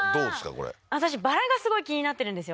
これ私バラがすごい気になってるんですよ